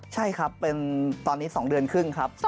ใช่ครับเป็นตอนนี้๒เดือนครึ่งครับ